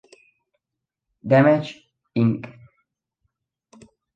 Damage, Inc.